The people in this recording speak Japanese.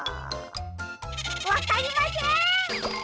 わかりません！